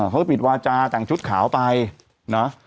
เขาก็ปิดวาจาแต่งชุดขาวไปนะ